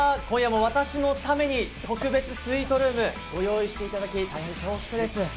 今夜も私のために特別スイートルームご用意していただき大変恐縮です。